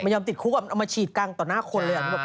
ยอมติดคุกเอามาฉีดกลางต่อหน้าคนเลย